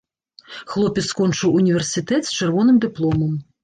Хлопец скончыў універсітэт з чырвоным дыпломам.